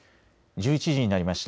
１１時になりました。